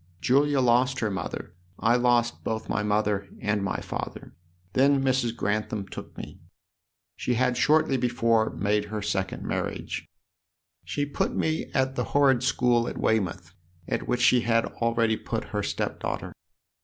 Julia lost her mother; I lost both my mother and my father. Then Mrs. Grantham took me : she had shortly before made her second marriage. 20 THE OTHER HOUSE She put me at the horrid school at Weymouth at which she had already put her step daughter."